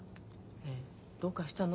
ねえどうかしたの？